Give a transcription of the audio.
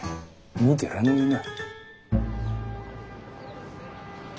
見てらんねえな。